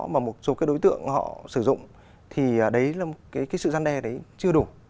mà một số đối tượng họ sử dụng thì sự gian đe đấy chưa đủ